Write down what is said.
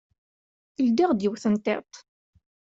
Ldiɣ-d yiwet n tiṭ.